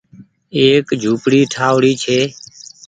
ايڪ جهوپڙي ٺآئوڙي ڇي